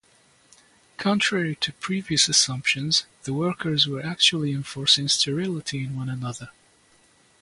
Contrary to previous assumptions, the workers were actually enforcing sterility in one another.